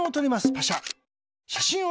パシャ。